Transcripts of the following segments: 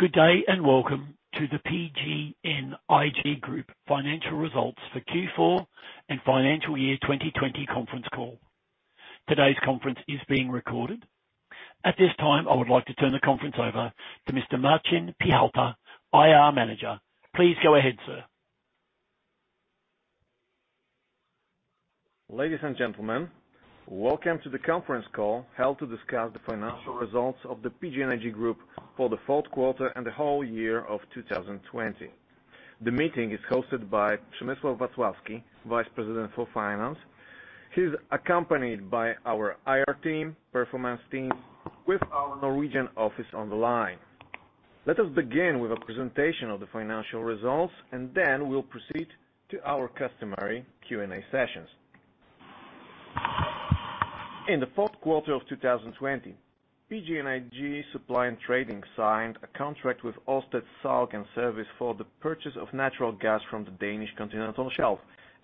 Good day, and welcome to the PGNiG Group financial results for Q4 and financial year 2020 conference call. Today's conference is being recorded. At this time, I would like to turn the conference over to Mr. Marcin Piechota, IR Manager. Please go ahead, sir. Ladies and gentlemen, welcome to the conference call held to discuss the financial results of the PGNiG Group for the Q4 and the whole year of 2020. The meeting is hosted by Przemysław Wacławski, Vice President for Finance. He's accompanied by our IR team, performance team, with our Norwegian office on the line. Let us begin with a presentation of the financial results, and then we'll proceed to our customary Q&A sessions. In the Q4 of 2020, PGNiG Supply & Trading signed a contract with Ørsted Salg & Service A/S for the purchase of natural gas from the Danish continental shelf,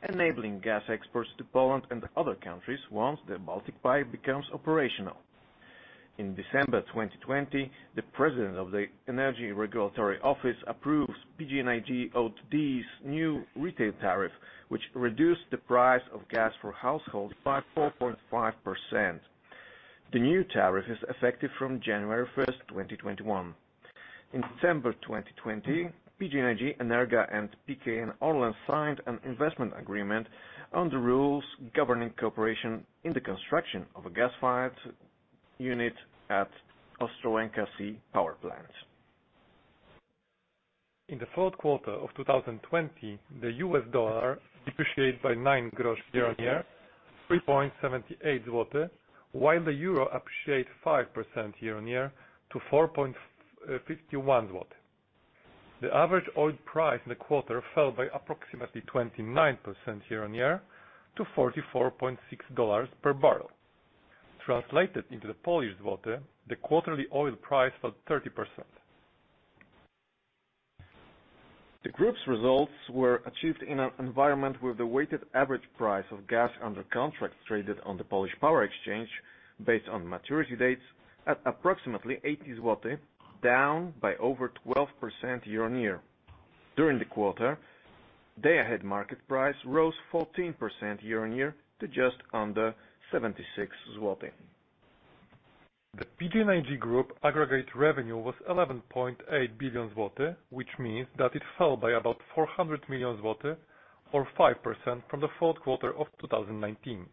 enabling gas exports to Poland and other countries once the Baltic Pipe becomes operational. In December 2020, the President of the Energy Regulatory Office approves PGNiG Obrót Detaliczny's new retail tariff, which reduced the price of gas for households by 4.5%. The new tariff is effective from January 1st, 2021. In December 2020, PGNiG Energa and PKN Orlen signed an investment agreement on the rules governing cooperation in the construction of a gas-fired unit at Ostrołęka C Power Plant. In the Q4 of 2020, the U.S. dollar depreciated by 0.09 year-on-year, 3.78 zloty, while the euro appreciated 5% year-on-year to 4.51 zloty. The average oil price in the quarter fell by approximately 29% year-on-year to $44.60 per barrel. Translated into the Polish złoty, the quarterly oil price fell 30%. The Group's results were achieved in an environment where the weighted average price of gas under contracts traded on the Polish Power Exchange, based on maturity dates at approximately 80 zloty, down by over 12% year-on-year. During the quarter, day-ahead market price rose 14% year-on-year to just under 76 zloty. The PGNiG Group aggregate revenue was 11.8 billion zloty, which means that it fell by about 400 million zloty or 5% from the Q4 of 2019.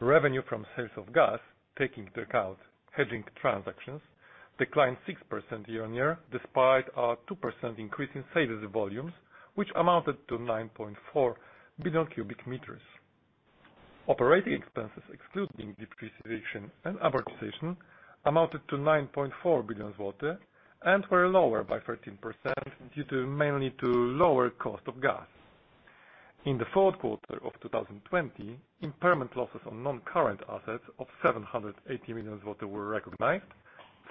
Revenue from sales of gas, taking into account hedging transactions, declined 6% year-on-year despite a 2% increase in sales volumes, which amounted to 9.4 billion cubic meters. Operating expenses, excluding depreciation and amortization, amounted to 9.4 billion zloty and were lower by 13% due to mainly to lower cost of gas. In the Q4 of 2020, impairment losses on non-current assets of 780 million were recognized,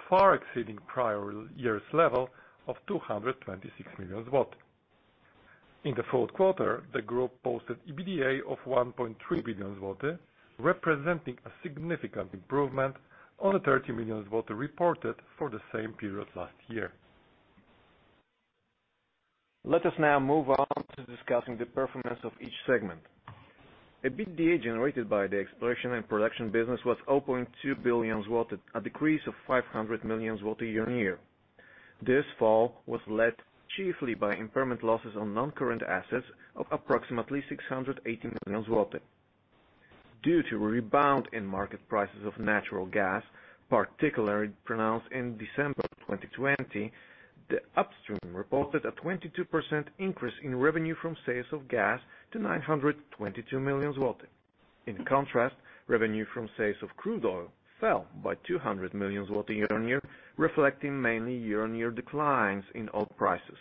far exceeding prior year's level of 226 million. In the Q4, the group posted EBITDA of 1.3 billion zloty, representing a significant improvement on the 30 million zloty reported for the same period last year. Let us now move on to discussing the performance of each segment. EBITDA generated by the exploration and production business was 0.2 billion, a decrease of 500 million year-on-year. This fall was led chiefly by impairment losses on non-current assets of approximately 680 million zloty. Due to a rebound in market prices of natural gas, particularly pronounced in December 2020, the upstream reported a 22% increase in revenue from sales of gas to 922 million zloty. In contrast, revenue from sales of crude oil fell by 200 million zloty year-on-year, reflecting mainly year-on-year declines in oil prices.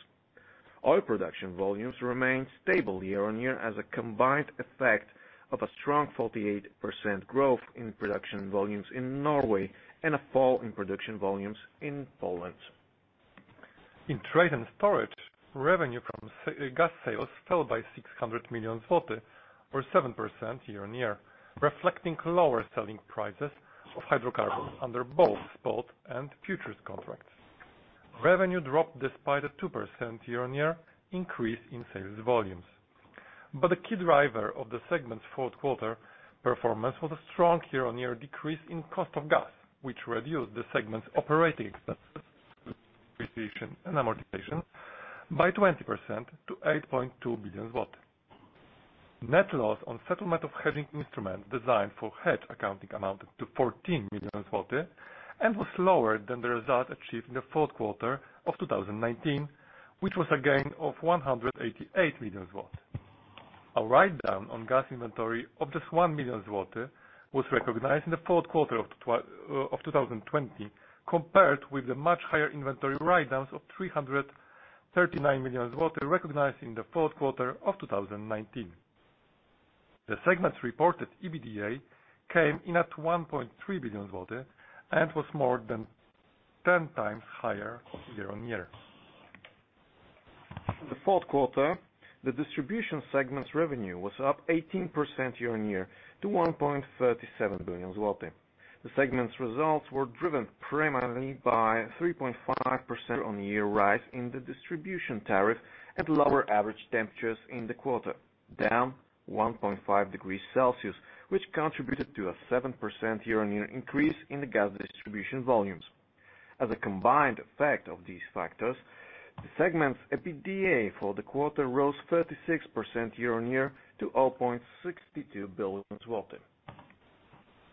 Oil production volumes remained stable year-on-year as a combined effect of a strong 48% growth in production volumes in Norway and a fall in production volumes in Poland. In trade and storage, revenue from gas sales fell by 600 million zloty or 7% year-on-year, reflecting lower selling prices of hydrocarbons under both spot and futures contracts. Revenue dropped despite a 2% year-on-year increase in sales volumes. The key driver of the segment's Q4 performance was a strong year-on-year decrease in cost of gas, which reduced the segment's operating expenses, depreciation and amortization by 20% to 8.2 billion. Net loss on settlement of hedging instruments designed for hedge accounting amounted to 14 million zloty and was lower than the result achieved in the Q4 of 2019, which was a gain of 188 million zloty. A write-down on gas inventory of just 1 million zloty was recognized in the Q4 of 2020, compared with the much higher inventory write-downs of 339 million recognized in the Q4 of 2019. The segment's reported EBITDA came in at 1.3 billion zloty and was more than 10 times higher year-on-year. The Q4, the distribution segment's revenue was up 18% year-on-year to 1.37 billion zlotys. The segment's results were driven primarily by a 3.5% year-on-year rise in the distribution tariff at lower average temperatures in the quarter, down 1.5 degrees Celsius, which contributed to a 7% year-on-year increase in the gas distribution volumes. As a combined effect of these factors, the segment's EBITDA for the quarter rose 36% year-on-year to 0.62 billion.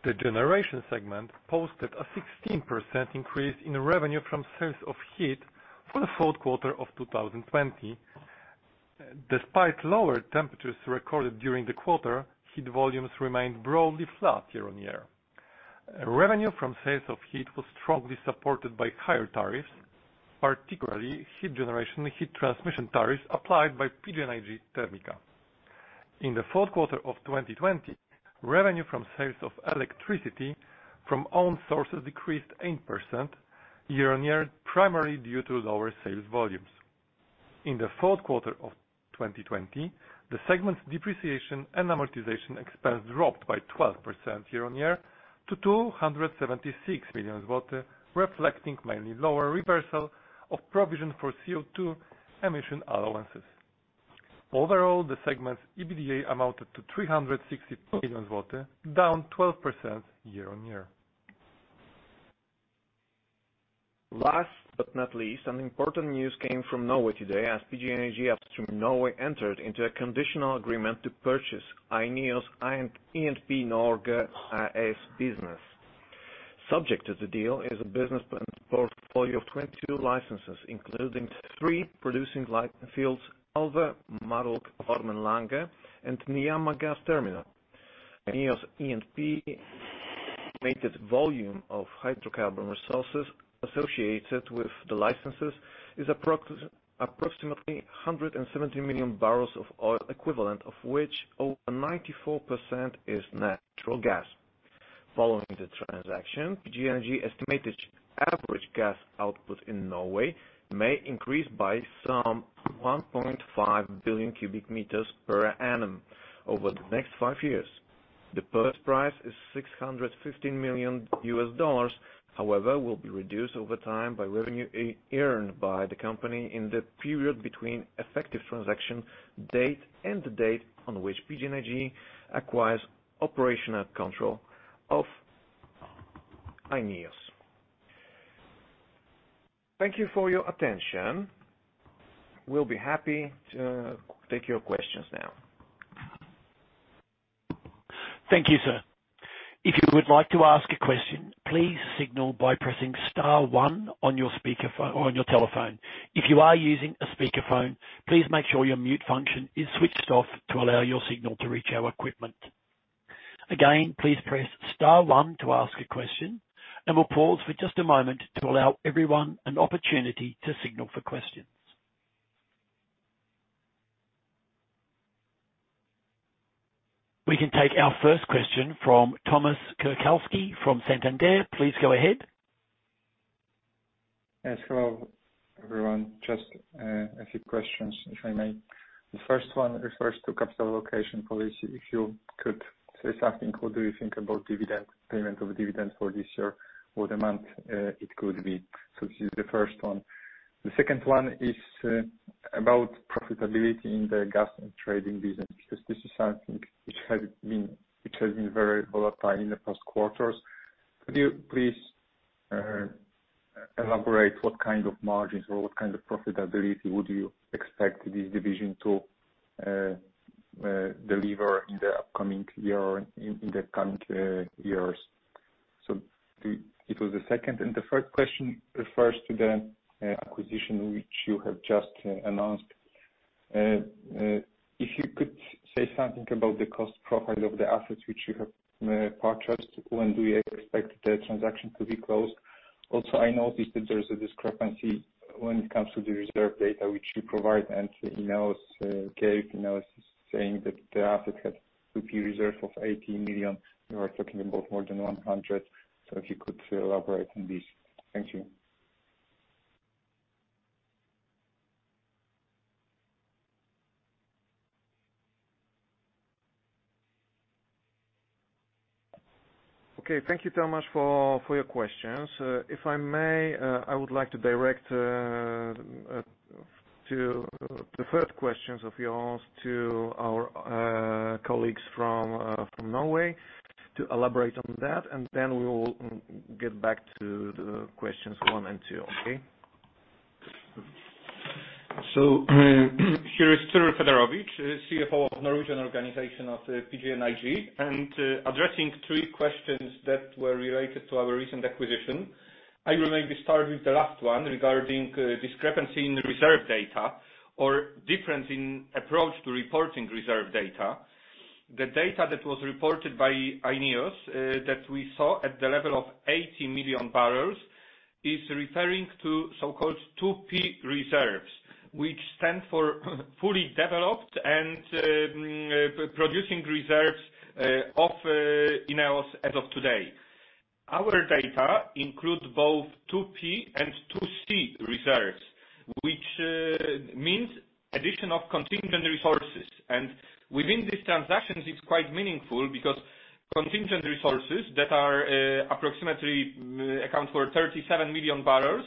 The generation segment posted a 16% increase in revenue from sales of heat for the Q4 of 2020. Despite lower temperatures recorded during the quarter, heat volumes remained broadly flat year-on-year. Revenue from sales of heat was strongly supported by higher tariffs, particularly heat generation, heat transmission tariffs applied by PGNiG Termika. In the Q4 of 2020, revenue from sales of electricity from own sources decreased 8% year-on-year, primarily due to lower sales volumes. In the Q4 of 2020, the segment's depreciation and amortization expense dropped by 12% year-on-year to 276 million zloty, reflecting mainly lower reversal of provision for CO2 emission allowances. Overall, the segment's EBITDA amounted to 360 million, down 12% year-on-year. Last but not least, some important news came from Norway today as PGNiG Upstream Norway entered into a conditional agreement to purchase INEOS E&P Norge AS business. Subject to the deal is a business portfolio of 22 licenses, including three producing license fields, Alvheim, Marulk, Ormen Lange, and Nyhamna gas terminal. INEOS E&P estimated volume of hydrocarbon resources associated with the licenses is approximately 170 million barrels of oil equivalent, of which over 94% is natural gas. Following the transaction, PGNiG estimated average gas output in Norway may increase by some 1.5 billion cubic meters per annum over the next five years. The purchase price is $615 million, however, will be reduced over time by revenue earned by the company in the period between effective transaction date and the date on which PGNiG acquires operational control of INEOS. Thank you for your attention. We'll be happy to take your questions now. Thank you, sir. If you would like to ask a question, please signal by pressing star one on your telephone. If you are using a speakerphone, please make sure your mute function is switched off to allow your signal to reach our equipment. Again, please press star one to ask a question, and we will pause for just a moment to allow everyone an opportunity to signal for questions. We can take our first question from Tomasz Czerkawski from Santander. Please go ahead. Yes. Hello, everyone. Just a few questions, if I may. The first one refers to capital allocation policy. If you could say something, what do you think about payment of dividends for this year or the month it could be? This is the first one. The second one is about profitability in the gas and trading business, because this is something which has been very volatile in the past quarters. Could you please elaborate what kind of margins or what kind of profitability would you expect this division to deliver in the coming years? It was the second, and the third question refers to the acquisition, which you have just announced. If you could say something about the cost profile of the assets which you have purchased. When do you expect the transaction to be closed? I noticed that there's a discrepancy when it comes to the reserve data which you provide and INEOS gave. INEOS is saying that the asset had 2P reserve of 80 million. You are talking about more than 100. If you could elaborate on this. Thank you. Okay. Thank you, Tomasz, for your questions. If I may, I would like to direct the first questions of yours to our colleagues from Norway to elaborate on that, and then we will get back to the questions one and two. Okay? Here is Cyryl Federowicz, CFO of PGNiG Upstream Norway, and addressing three questions that were related to our recent acquisition. I will maybe start with the last one regarding discrepancy in reserve data or difference in approach to reporting reserve data. The data that was reported by INEOS that we saw at the level of 80 million barrels, is referring to so-called 2P reserves, which stand for fully developed and producing reserves of INEOS as of today. Our data includes both 2P and 2C reserves, which means addition of contingent resources. Within these transactions, it's quite meaningful because contingent resources that approximately account for 37 million barrels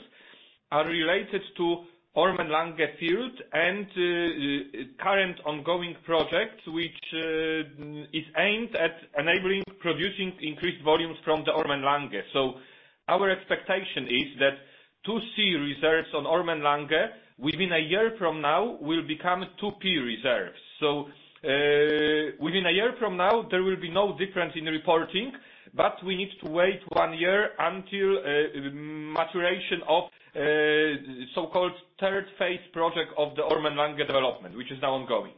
are related to Ormen Lange field and current ongoing projects, which is aimed at enabling producing increased volumes from the Ormen Lange. Our expectation is that 2C reserves on Ormen Lange within a year from now will become 2P reserves. Within a year from now, there will be no difference in reporting, but we need to wait one year until maturation of so-called third phase project of the Ormen Lange development, which is now ongoing.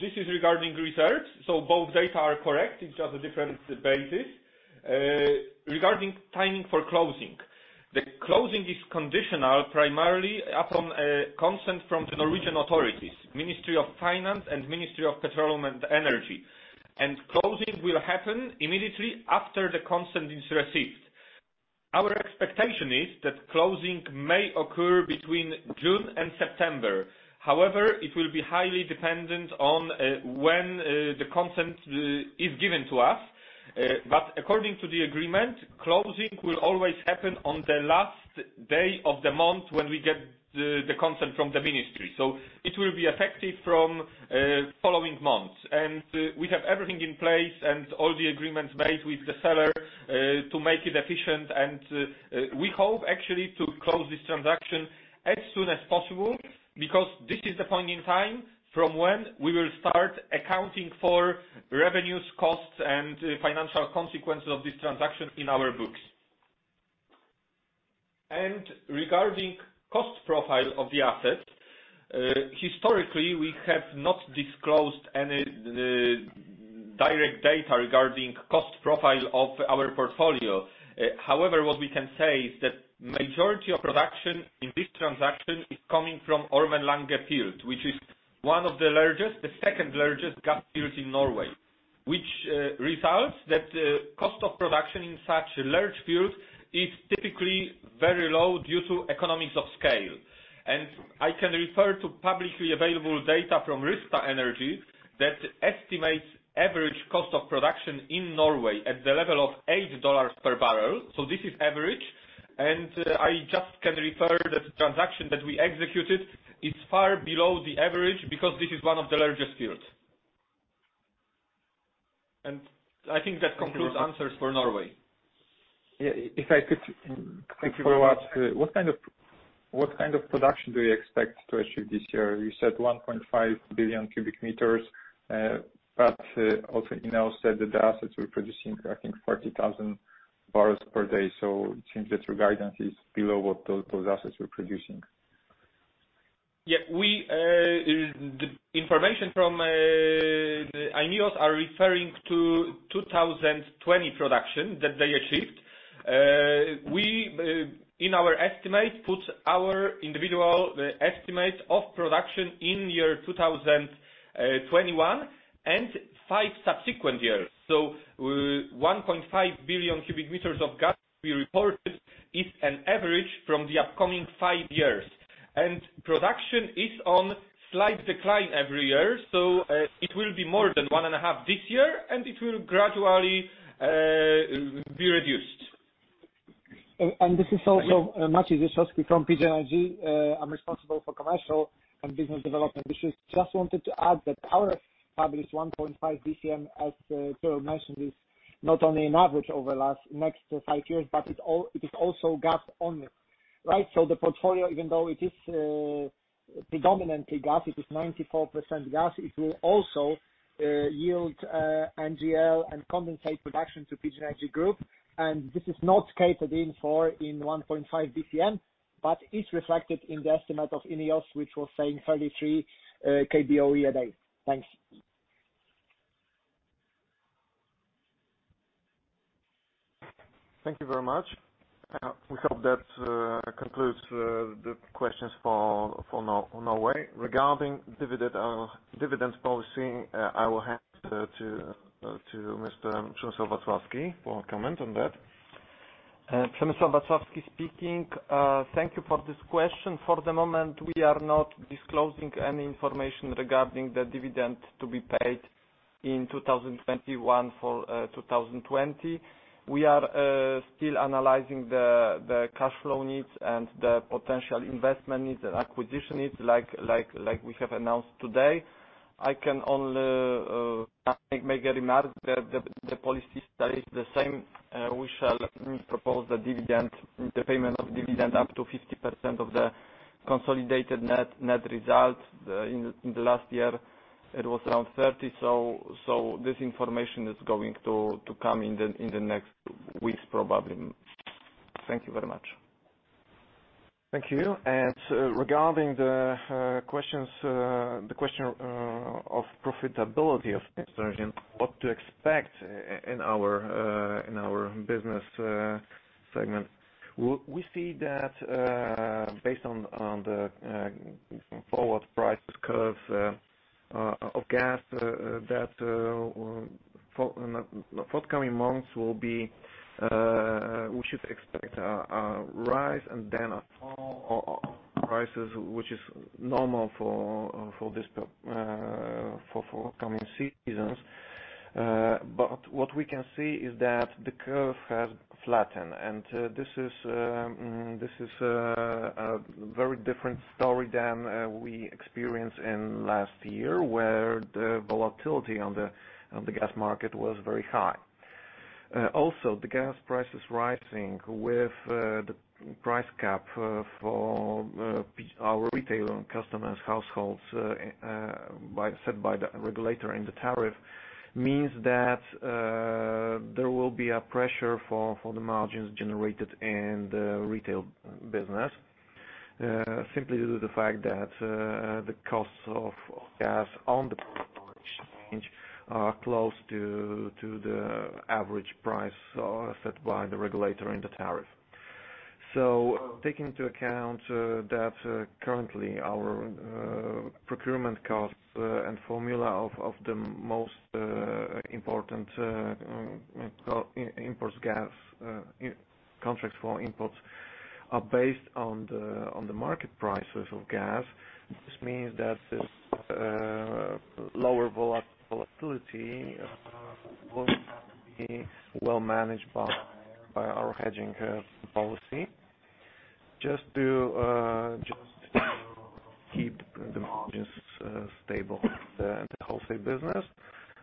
This is regarding reserves. Both data are correct, it's just a different basis. Regarding timing for closing. The closing is conditional primarily upon consent from the Norwegian authorities, Ministry of Finance and Ministry of Petroleum and Energy, and closing will happen immediately after the consent is received. Our expectation is that closing may occur between June and September. However, it will be highly dependent on when the consent is given to us. According to the agreement, closing will always happen on the last day of the month when we get the consent from the Ministry. It will be effective from following month. We have everything in place and all the agreements made with the seller to make it efficient. We hope actually to close this transaction as soon as possible, because this is the point in time from when we will start accounting for revenues, costs, and financial consequences of this transaction in our books. Regarding cost profile of the asset, historically, we have not disclosed any direct data regarding cost profile of our portfolio. However, what we can say is that majority of production in this transaction is coming from Ormen Lange field, which is one of the largest, the second-largest gas field in Norway. Which results that cost of production in such a large field is typically very low due to economies of scale. I can refer to publicly available data from Rystad Energy that estimates average cost of production in Norway at the level of $8 per barrel. This is average, and I just can refer that the transaction that we executed is far below the average because this is one of the largest fields. I think that concludes answers for Norway. Yeah, if I could. Thank you very much. What kind of production do you expect to achieve this year? You said 1.5 billion cubic meters. Also, INEOS said that the assets were producing, I think, 40,000 barrels per day. It seems that your guidance is below what those assets were producing. Yeah. The information from INEOS are referring to 2020 production that they achieved. We, in our estimate, put our individual estimate of production in year 2021 and five subsequent years. So 1.5 billion cubic meters of gas we reported is an average from the upcoming five years. And production is on slight decline every year, so it will be more than 1.5 this year, and it will gradually be reduced. This is also Marek Woszczyk from PGNiG. I'm responsible for commercial and business development. I just wanted to add that our published 1.5 BCM, as Piotr mentioned, is not only an average over next five years, but it is also gas only. Right? The portfolio, even though it is predominantly gas, it is 94% gas, it will also yield NGL and condensate production to PGNiG Group, and this is not catered in for in 1.5 BCM, but is reflected in the estimate of INEOS, which was saying 33 kboe a day. Thanks. Thank you very much. We hope that concludes the questions for Norway. Regarding dividend policy, I will hand to Mr. Przemysław Wacławski for a comment on that. Thank you for this question. For the moment, we are not disclosing any information regarding the dividend to be paid in 2021 for 2020. We are still analyzing the cash flow needs and the potential investment needs and acquisition needs, like we have announced today. I can only make a remark that the policy stays the same. We shall propose the payment of dividend up to 50% of the consolidated net result. In the last year, it was around 30%. This information is going to come in the next weeks, probably. Thank you very much. Thank you. Regarding the question of profitability of LNG, what to expect in our business segment. We see that based on the forward price curve. Of gas that will, forthcoming months we should expect a rise and then a fall of prices, which is normal for forthcoming seasons. What we can see is that the curve has flattened, and this is a very different story than we experienced in last year, where the volatility on the gas market was very high. The gas price is rising with the price cap for our retail customers, households, set by the regulator in the tariff, means that there will be a pressure for the margins generated in the retail business. Simply due to the fact that the costs of gas on the exchange are close to the average price set by the regulator in the tariff. Taking into account that currently our procurement costs and formula of the most important imports gas, contracts for imports, are based on the market prices of gas. This means that this lower volatility will have to be well managed by our hedging policy. Just to keep the margins stable at the wholesale business,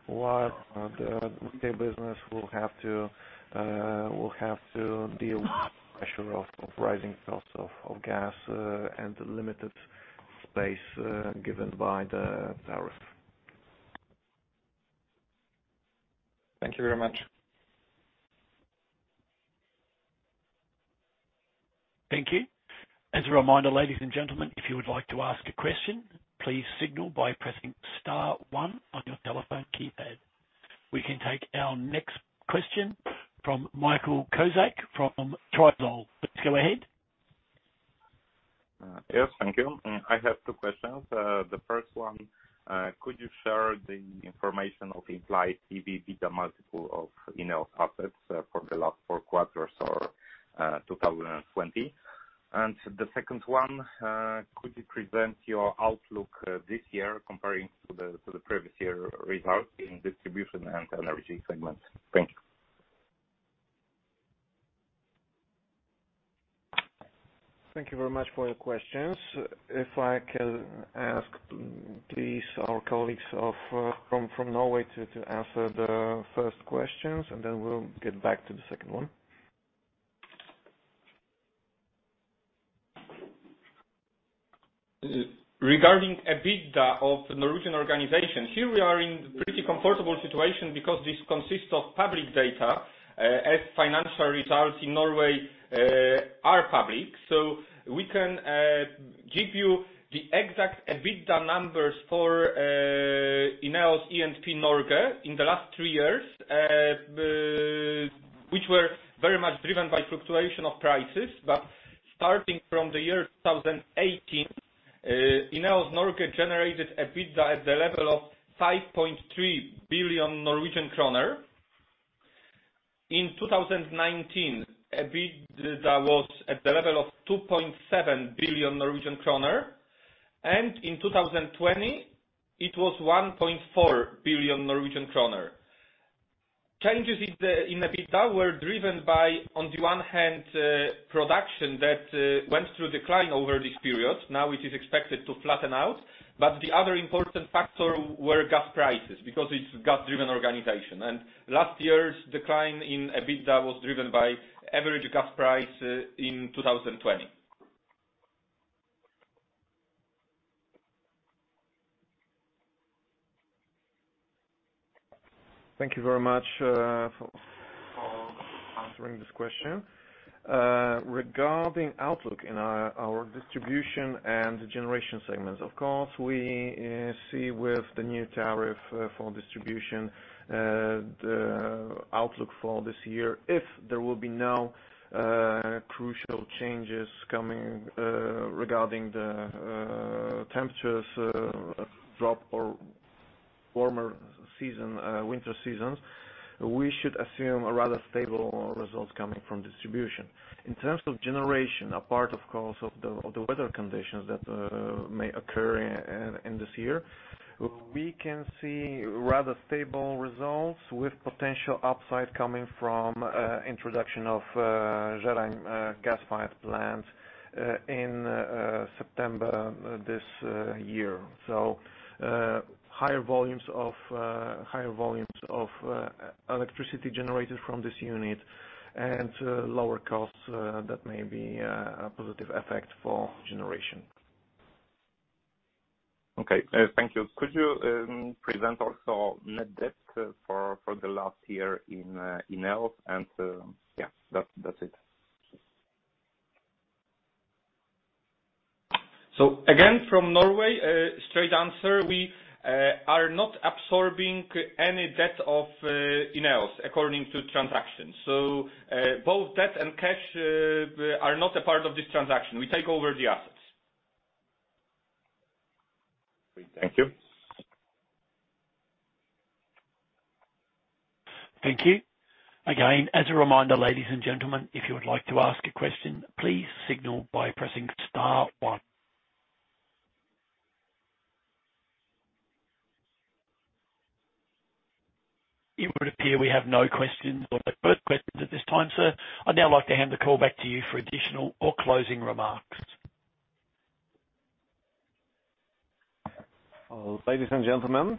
while the retail business will have to deal with the pressure of rising costs of gas and the limited space given by the tariff. Thank you very much. Thank you. As a reminder, ladies and gentlemen, if you would like to ask a question, please signal by pressing star one on your telephone keypad. We can take our next question from Michał Kozak from Trigon. Please go ahead. Yes, thank you. I have two questions. The first one, could you share the information of the implied EBITDA multiple of INEOS assets for the last four quarters or 2020? The second one, could you present your outlook this year comparing to the previous year results in distribution and energy segment? Thank you. Thank you very much for your questions. If I can ask, please, our colleagues from Norway to answer the first questions. Then we'll get back to the second one. Regarding EBITDA of the Norwegian organization, here we are in pretty comfortable situation because this consists of public data, as financial results in Norway are public. We can give you the exact EBITDA numbers for INEOS E&P Norge in the last three years, which were very much driven by fluctuation of prices. Starting from the year 2018, INEOS Norge generated EBITDA at the level of 5.3 billion Norwegian kroner. In 2019, EBITDA was at the level of 2.7 billion Norwegian kroner, and in 2020, it was 1.4 billion Norwegian kroner. Changes in EBITDA were driven by, on the one hand, production that went through decline over this period. Now it is expected to flatten out. The other important factor were gas prices, because it's gas-driven organization. Last year's decline in EBITDA was driven by average gas price in 2020. Thank you very much for answering this question. Regarding outlook in our distribution and generation segments, of course, we see with the new tariff for distribution, the outlook for this year, if there will be no crucial changes coming regarding the temperatures drop or warmer winter seasons, we should assume a rather stable result coming from distribution. In terms of generation, apart of course of the weather conditions that may occur in this year, we can see rather stable results with potential upside coming from introduction of Żerań gas-fired plant in September this year. Higher volumes of electricity generated from this unit and lower costs that may be a positive effect for generation. Okay, thank you. Could you present also net debt for the last year in INEOS and, yeah, that's it. Again, from Norway, straight answer, we are not absorbing any debt of INEOS according to transaction. Both debt and cash are not a part of this transaction. We take over the assets. Thank you. Thank you. Again, as a reminder, ladies and gentlemen, if you would like to ask a question, please signal by pressing star one. It would appear we have no questions or no further questions at this time, sir. I'd now like to hand the call back to you for additional or closing remarks. Ladies and gentlemen,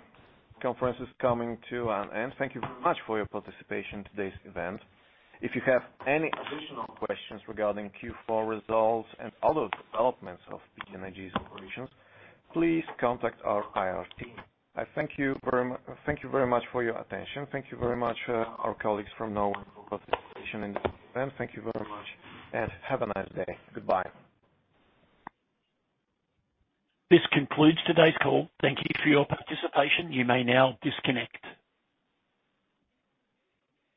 conference is coming to an end. Thank you very much for your participation in today's event. If you have any additional questions regarding Q4 results and other developments of PGNiG's operations, please contact our IR team. I thank you very much for your attention. Thank you very much our colleagues from Norway for participation in this event. Thank you very much and have a nice day. Goodbye. This concludes today's call. Thank you for your participation. You may now disconnect.